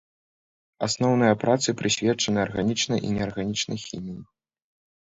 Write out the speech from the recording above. Асноўныя працы прысвечаны арганічнай і неарганічнай хіміі.